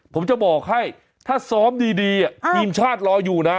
ผมจะบอกให้ถ้าซ้อมดีทีมชาติรออยู่นะ